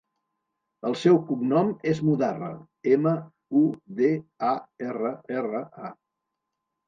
El seu cognom és Mudarra: ema, u, de, a, erra, erra, a.